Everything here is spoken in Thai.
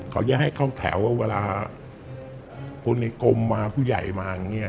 เขาจะให้เข้าแถวว่าเวลาคนในกรมมาผู้ใหญ่มาอย่างนี้